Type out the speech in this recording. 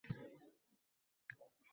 Biz doktorim bilan har kuni suhbat quramiz